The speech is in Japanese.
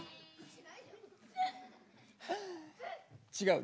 違う。